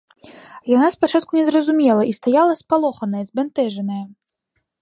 Яна спачатку не зразумела і стаяла, спалоханая, збянтэжаная.